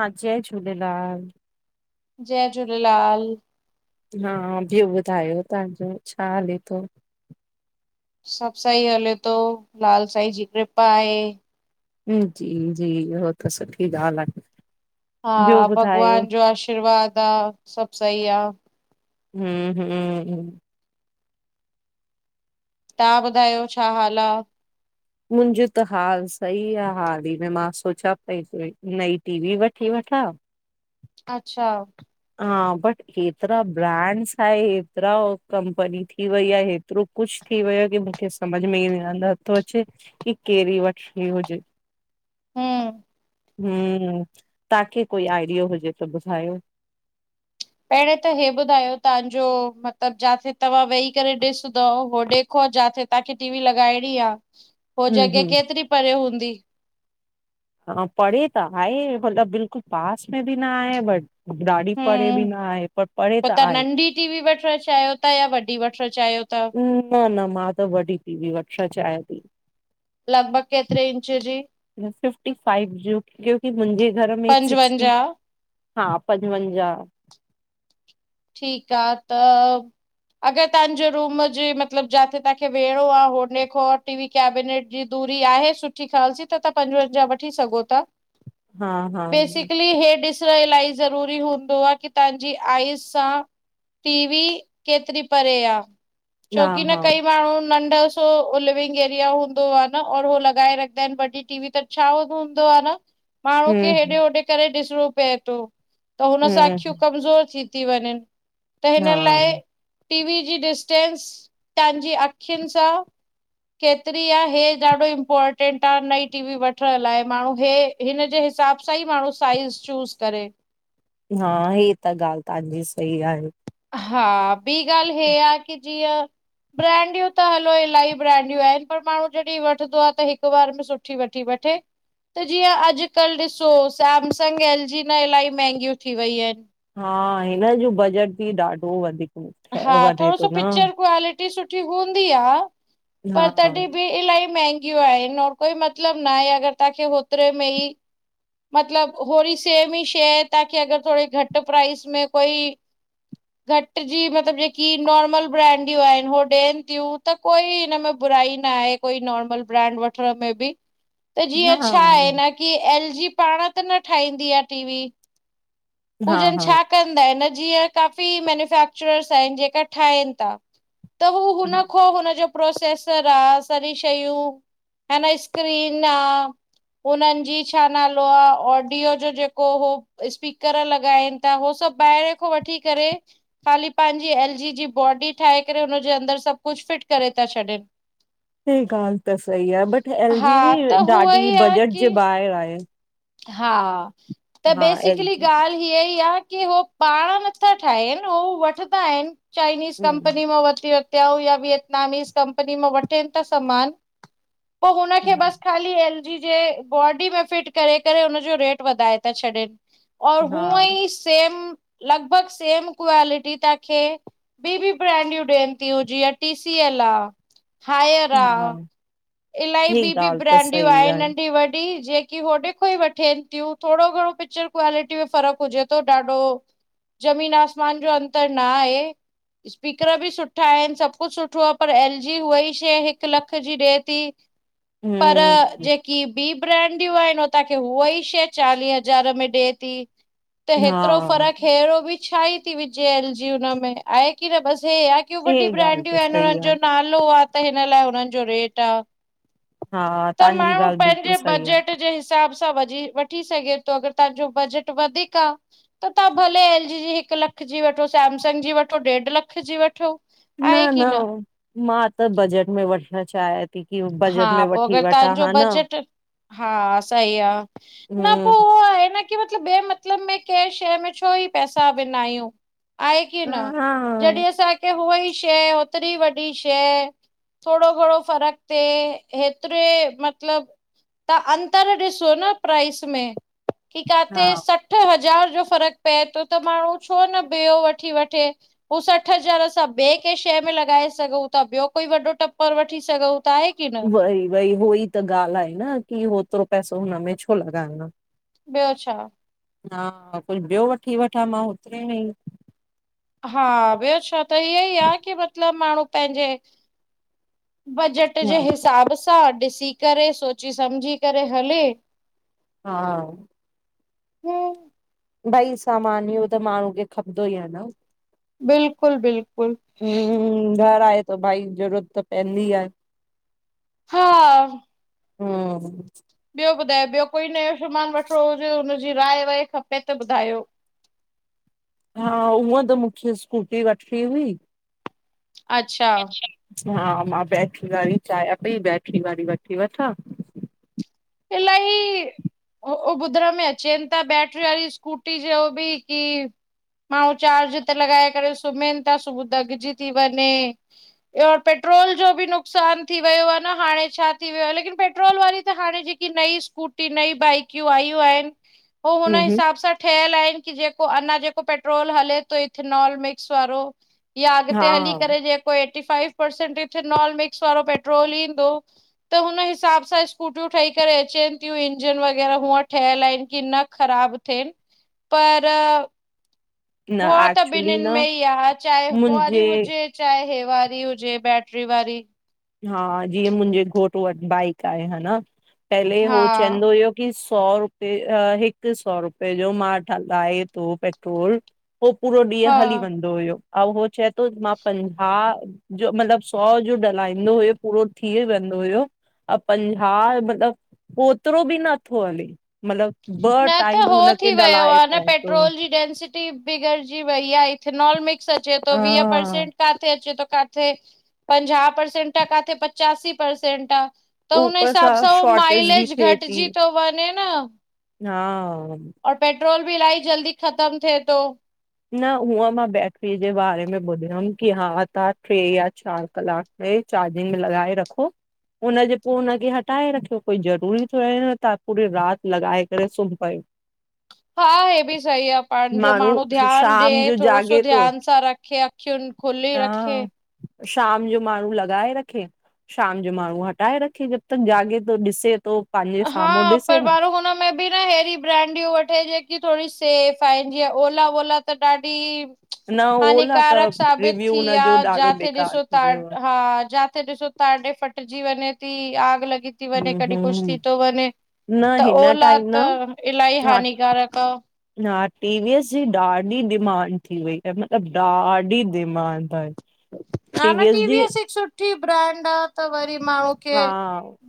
हां जय झूलेलाल जय झूलेलाल हा ॿियो ॿुधायो तहांजो छा हले थो? सब सही हले थो, लाल साईं जी कृपा आहे। जी जी, उह त सुठी ॻाल आहे। ॿियो हा ॿुधायो भगवान जो आशीर्वाद आ, सब सही आ। हूं हूं तव्हां ॿुधायो छा हाल आ? मुंजो त हाल सही आ, हाल ई में मां सोचां पई नई टी वी वठी वठां। अच्छा हा बट हेतिरा ब्रांड्स आहे, हेतिरा कंपनी थी वई आहे एतरो कुझ थी वियो कि मूंखे कुछ सम्झ में ई नथो अचे की केड़े वठी हुजे! हम हम तव्हांखे कोई आइडियो हुजे त ॿुधायो! पहिरं त हे ॿुधायो तहांजो मतलबु जाते तव्हां वेही करे ॾिसंदव उह ॾेखो जाते तहांखे टी वी लॻाइणी आ, उआ हम्म हम्म जॻहि केतिरी परे हूंदी? हा परे त आए मतलब बिल्कुलु पास में बि न आए बट ॾाढी परे बि न आहे पर परे त आहे। नंन्ढी वठणु चाहियो था या वॾी वठणु चाहियो था? न न मां त वॾी टी वी वठणु चायां थी। लॻभॻि केतरी इंच जी। फिफ्टी फाइव जो, क्योकी मुंजे घर में हिक सिक्सटी पंजवंजाह हा पंजवंजाहु। ठीकु आ, त अगर तव्हांजो रूम जे मतिलब जाथे तव्हांखे वेहणो आ, हो खां टीवी कैबिनेट जी दूरी आहे सुठी ख़ालसी त तां पंजवंजाहु वठी सघो था। हा हा बेसिकली हे ॾिसण इलही ज़रूरी हूंदो आहे की तव्हांजी आइज़ सां टी वी केतिरी परे आ। हा छोकी न हा कई बार माण्हू नंढ लिविंग एरिया हूंदो आहे, हो लॻाए रखंदा आहिनि वॾी टी वी, त छा हूंदो आ न माण्हू खे हेॾे हम्म होॾे करे ॾिसणो पए थो त हुन सां हम्म अखियूं कमज़ोर थींदियूं थी वंञनि त हिन हा लाइ टीवी जी डिस्टेंस तव्हांजी अखियुनि सां केतिरी आ, हे ॾाढो इम्पोर्टेंट आ नई टीवी वठण लाइ, माण्हू हे हिन जे हिसाब सां ई माण्हू साइज़ चूस करे। हा हीअ त ॻाल ताहांजी सही आहे। हा बि गाल हे आ की जीअं ब्रैंडियूं त हलो इलाही ब्रैंडियूं आहिन पर माण्हू जॾहिं वठदो आ त हिक बार में सु ठी वठी वठे। त जीअं अॼुकल ॾिसो सैमसंग, एल जी न इलाही महांगियूं थी वयईूं आहिन। हा हिन जो बजट बि ॾाढो वधीक हा ठहे वञे थोड़ो थो सो न पिच्चर क्वालिटी सुठी हूंदी आ हा पर तॾहिं बि इलाही मेंहगियूं आहिन और कोई मतलब ना आहे अगर ताहांखे होतरे में ई मतलब होड़ी सेम ई शइ तांखे अगर थोड़े घट प्राइज़ में कोई घट जी मतलब जेकी नॉर्मल ब्रैनडियूं आहिन उ ॾियन तीयूं। त कोई हिनमें बुराई न आहे कोई नॉर्मल ब्रैंड वठण में बि। त हा जीअं छा आहे न की एल जी पाण त न ठाहींदी आ टीवी हा हुजन हा छा कंदा आहिन जीअं काफ़ी मैन्युफैक्चरर्स आहिन जेका ठाहिन ता। त हू हा हुनखो हुनजो प्रोसेसर आ, सॼी शयूं ह न स्क्रीन आ हुनन जी छा नाल आ ऑडियो जो जेको हो स्पीकर लॻाइन ता हो सभ ॿाहिर खो वठी करे ख़ाली पांजी एल जी जी बॉडी ठाहे करे हुनजे अंदर सभ कुझ फिट करे ता छॾन। [inaudible] हे ॻाल त सही आ, बट एल हा जी बि त हूअ ॾाढी ई आ बजट की जे ॿाहिर आहे। हा, त हा एल बेसिकली जी ॻाल हीअ ई आ की हो पाण नथा ठाहिन हो वठदा आहिन चाइनीज़ हम्म कंपनी मां वती त हू या वियतनमीस कंपनी मां वठीन ता समान। पो हुनखे हा बस खाली एल जी जे बॉडी में फिट करे करे हुनज जो रेट वधाए ता छॾन और हुअं हा ई सेम लॻभॻ सेम क्वालिटी ताहांखे बी बी ब्रैंडयूं ॾियंन तियु जिंए टी सी एल आ। हायर हा आ, इलाहि हे बि बि ॻाल्हि त ब्रैंडयूं सही आहे नंढी वॾी जेक की होॾे खो ई वठेन तीयूं, थोड़ो घणो पिचर क्वालिटी में फ़र्क हुजे तो, ॾाढो जमीन आसमान जो अंतर ना आहे। स्पीकर बि सुठा आहिन, सभ कुझ सुठो आ, पर एल जी उहा ई शइ हिक लख जी ॾे ती। पर हम्म जेकी बी ब्रैंड यूं आहीन हो ताहांखे उहा ई शै चालीह हज़ार में ॾे ती। त हेतरो हा फ़र्क हेड़ो बि छा ई थी विझे एल जी हुनमें आहे की न बस हे आ की हो हे वॾी ॻाल्हि ब्रैंडयूं त आहिन सही हुनन आहे जो नालो आ त हिन लाए हुनन जो रेट आ। हा त तव्हांजी माण्हू ॻाल्हि बिल्कुलु पैंजे सही आहे बजट जे हिसाब सां वझी वठी सघे तो अगर ताहांजो बजट वधीक आ त ताहां भले एल जी जी, हिक लख जी वठो, सैमसंग जी वठो, ॾेढ लख जी वठो। न आहे की न, मां त बजट मे वठण चायां थी कि बजट हा मे पो वठी अगर वठा तव्हांजो हा न। बजट हा सही आ, न पो हम्म उहो आहे न की मतलब ॿे मतलब में के शै में छो ई पैसा विनायू। आहे की न? हा जॾहि असां की हुअ ई शै, होतरी वॾी शै, थोड़ो घणो फरक हिते हेतरे मतलब, ताहां अंतर ॾिसो न प्राइस मे। कि हा कारें सठ सठ हज़ार जो फर्क पए थो त माण्हू छो न ॿियौ वठी वठे। हूं सठ हज़ार असा ॿिए कैऐ शइ मे लॻाए सघू था ॿियो कोई वॾो टपर वठी सघूं। [unintelligible] वई वई उहो ई त ॻाल्ही आहे न की होतरो पैसो हुनमे छो लॻाणो। ॿियो छा। हा, कोई ॿियो वठी वठंदो होतरे मे ही। हा ॿयो छा त इअं ई आ की मतलब माण्हूं पहिजे बजट हा जे हिसाब सा ॾिसी करे सोची समझी करे हले हा। हम्म भिई सामान त माण्हूं खे खपंदो ही आ न। बिल्कुल -बिल्कुल। हम्म घर आहे त भाई ज़रूरत त पईंदी आहे। हा हम्म ॿियो ॿुधायो ॿियो कोई नयो समान वठणो हुजे, हुनजी राय वाय खपे त ॿुधायो। हा उअ त मूखे स्कूटी वठणी हुई। अच्छा। हा, मा बैटरी वारी चाहियां पई बैटरी वारी वठी वठा। इलाही ओ ॿुधण में अचेनता बैटरी वारी स्कूटी जो बि की माण्हू चार्ज ते लॻाए करे सुम्हन था सुबुह दगजी थी वञे। पेट्रोल जो भी नुक़सान थी वयो आ न हाणे छा थी वयो आहे लेकिन पेट्रोल वारी त हाणे जे नई सकूटी नई बाइकियूं आयूं आहिन हो हुन हम्म हम्म हिसाब सा ठहियल आहिन कि जेको अञा जेको पेट्रोल हले थो इथनाल मिक्स वारो। या अॻते हा हली करे जको एटीफाइव परसेंट एथनाल मिक्स वारो पेट्रोल ईंदो त हुन हिसाब सा स्कूटीयु ठही करे अचेन थियूं इजन वग़ैरह हूअ ठहयल आहिन की न ख़राब थियन पर न भौ त ॿिन्नि एक्चुली न मे ही आ चाहे हो वारी मुंहिंजे हुजे चाहे हे वारी हुजे बैटरी वारी। हा हिअं मुहिजे घोट वट बाइक आहे हान, पहले हा हो चईंदो हुयो सौ रुपए हिक सौ रुपए जो मा हलाए थो पेट्रोल हो पूरो हा ॾींह हली वेंदो हुयो ऐं हो चए थो मा पंजाह मतलब सौ जो ढह हलाईंदो हुयो पूरो थी वेदो हुयो अ पंजाह जो मतलब ओतरो बि नथो हले मतलब न त हो थी वयो आ न थो पेट्रोल जी डेंसिटी कि बिगडजी वई आ ईथनाल मीकस अचे थो वीह हा परसेंट काथे अचे थो काथे पंजाह परसेंट आ काथे पचयांसी परसेंट आ। त हुन ऊपर सां हिसाब सा उह शॉर्टेज बि माइलेज थिए थी घटजी थो वञे न। हा और पेट्रोल बि इलाही जल्दी ख़तम थिए थो। न हूअ मां बैट्री जे बारे में ॿुधयमि कि हा त ट्रे या चार कलाक में चार्जिंग में लॻाए रखो हुनजे पो हुनखे हटाए रखियो, कोई ज़रूरी थोड़े न तहां पूरी राति लॻाए करे सुम पयो। हा हे बि सही आ पांजो माण्हू ध्यानु ॾे, शाम जो थोड़ो सो जाॻे थो ध्यानु सां रखे, अखियुनि खुली रखे हा शाम जो माण्हूं लॻाए रखे शाम जो माण्हूं हटाए रखे जब तक जाॻे तो ॾिसे थो पंहिंजे साम्हूं हा ॾिसे पर न वरू हुन में बि न हेड़ी ब्रांडियूं वठे, जेकी थोड़ी सेफ आहिनि, जीअं ओला -वोला त ॾाढी न ओला त हानिकारक साबित रिव्यू थी या, हुनजो ॾाढो जाते बेकार ॾिसो त थी वियो आहे हा जाते ॾिसो ताॾे फटजी वञें ती, आग लॻी ती वंञें हम्म कॾी कुछु थी हम्म वने न त हिन ओला टाइम त न इल्हाई हा हानिकारक आ। हा टीवीअस जी ॾाढी डिमांड थी वई आहे, मतलबु ॾाढी डिमांड आहे। हांणें टीवीएस टी जी वी एस हिक सुठी ब्रांड आ त वरी माण्हू खे हा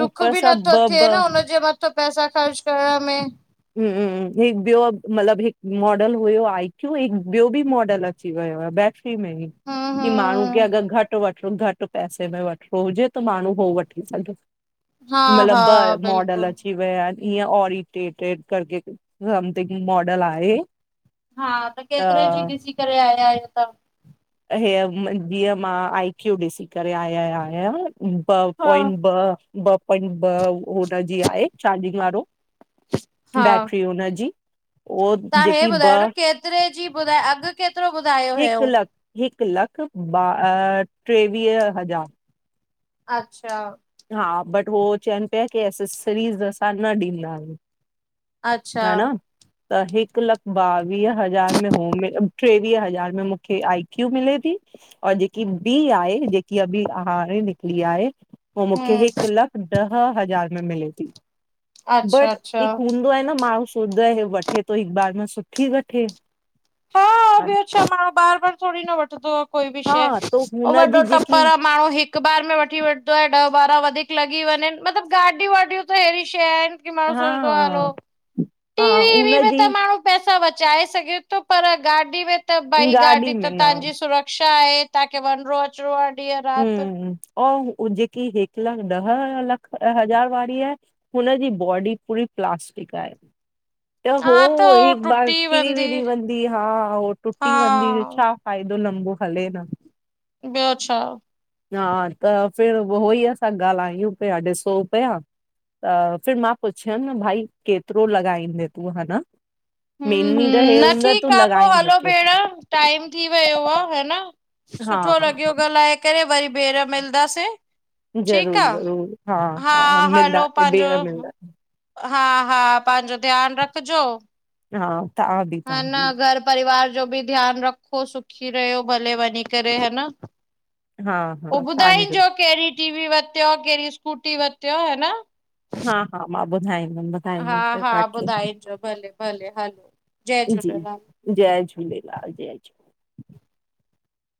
दुख ऊपर बि सां नथो ॿ थिए न ॿ हुनजे मथां पैसा ख़र्च करण में हम्म, हिकु ॿियो मतलबु हिकु मॉडल हुयो आई क्यू हिकु ॿियो बि मॉडल अची वयो आहे बै में ही हम्म की माण्हूं खे हम्म अगरि घटि वठ छो घटि पैसे में वठिणो हुजे त माण्हूं हो वठी सघे हा हा मतिलब ब् मॉडल बिल्कुल अची वया इनि, ईंयं ओरिटेटेड करके संथिंग मॉडल आहे! हा त केतिरे जी ॾिसी करे आया आहियो तहां? हे जीअं मां आई क्यू ॾिसी करे आया या या आहियूं ॿ तव्हां? पॉइंट ब, ब पॉइंट ब हुनजी आहे चार्जिंग वारो। बैटरी हुनजी जी तहां हे ॿुधायो न केतिरे जी ॿुधायो, अघु केतिरो ॿुधायो हिकु हुयंऊं? लख हिकु लख ब ट्रे वीह हज़ार। अच्छा! हा बट हो चवनि पिया की एसेसरीज़ असां न ॾींदा आहियूं। अच्छा ह न त हिकु लख ॿावीह हज़ार में हो टेवीह हज़ार में मुखे आई क्यू मिले ती और जेकी बि आहे, जेकी अभी हाणे निकली आहे हो मुखे हम्म हिकु लख डह हज़ार में मिले ती। अच्छा बट अच्छा हिकु हूंदो आहे न माण्हूं, सोचदो आहे हे वठे तो हिकु बार में सुठी वठे। हा ॿियो छा माण्हूं बार- बार थोरी न वठंदो कोई बि शंए, हा त वॾो हुनजी जेकी टप्पर आ माण्हूं हिकु हिकॿार में वठी वठिदो आहे ॾह ॿारहां वधीक लॻी वंञंनि, मतिलबु गाॾियूं वाॾियूं त अहिड़ी शंइं आहिनि कि माण्हूं हा सोचदो हलो, हा टीवी वीवी हुनजी त माण्हू पैसा बचाए सघे तो, पर गाॾी में त भई गाॾी त में न तव्हांजी सुरक्षा आहे। तहांखे वंञिंणो अचिणो आ ॾींहं राति अंऊं जेकी हिकु लख ॾह लख हज़ार वारी आहे हुन जी बॉडी पूरी प्लास्टिक आहे! त हो हा त हो हिकु बार टुटी किरी- वेंदी विरी वंदी हा, हो हा टुटी वंदी छा फ़ायदो लंबो हले न ॿियो छा। हा त फिर उहो ई असां ॻाल्हायूं पिया ॾिसो पिया त फिर मां पुछियमि न भाई केतिरो लॻाईंदे तूं हा न ह हूं, मेनली त हे न हूंदो तूं ठीकु आ पो लॻाईंदे हलो भेण केतिरो टाइम थी वियो आ, ह न हा सुठो हा लॻियो हा ॻाल्हाए करे, वरी ॿीए हरि मिलंदासीं। ठीकु ज़रूर आ, ज़रूर हा मिलंदा हलो पांजो ॿेर मिलंदा हा-हा, पांजो ध्यानु रखजो। हा। तां बि। हा, तव्हां न बि घर परिवार जो बि ध्यानु रखो, सुखी रहियो, भले वंञी करे, ह न। हा उ हा तव्हांजो ॿुधाइंजो केड़ी टी वी वरतो, केड़ी स्कूटी वरतो ह न! हा- हा, मां ॿुधाईंदमि। ॿुधाईंदमि हा-हा, तव्हांखे ॿुधाइजो भले- भले, हलो जय जी झूलेलाल। जय झूलेलाल, जय झूलेलाल।